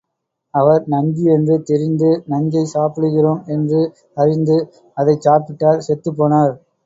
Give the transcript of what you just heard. அவர் நஞ்சு என்று தெரிந்து நஞ்சைச் சாப்பிடுகிறோம் என்று அறிந்து அதைச் சாப்பிட்டார் செத்துப் போனார்.